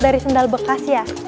dari sendal bekas ya